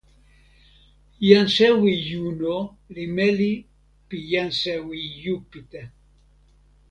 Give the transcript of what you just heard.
jan sewi Juno li meli pi jan sewi Jupite.